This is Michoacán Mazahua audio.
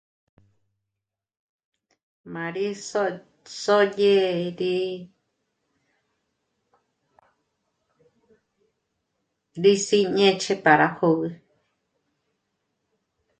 Mâ'a rí sö̀dyë rí sí'jñéchje para jògü